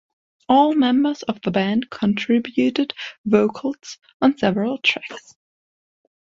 All members of the band contributed vocals on several tracks.